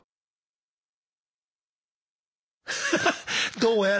どうやら。